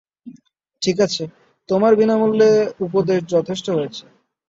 ঠিক আছে, তোমার বিনামূল্যে উপদেশ যথেষ্ট হয়েছে।